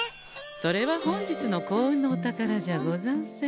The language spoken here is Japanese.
それは本日の幸運のお宝じゃござんせん。